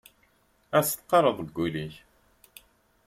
Ad s-teqqareḍ deg ul-ik.